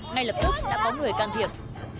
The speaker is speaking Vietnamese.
ngay lập tức đã có người can thiệp